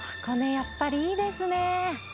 やっぱりいいですね。